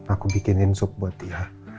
aku bikinin sup buat dia